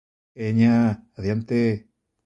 ¡Veña, adiante!